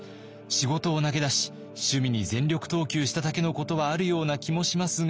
仕事を投げ出し趣味に全力投球しただけのことはあるような気もしますが。